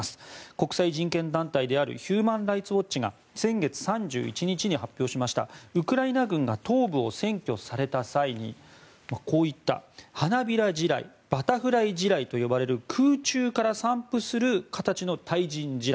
国際人権団体であるヒューマン・ライツ・ウォッチが先月３１日に発表したウクライナ軍が東部を占拠された際にこういった花びら地雷バタフライ地雷と呼ばれる空中から散布する形の対人地雷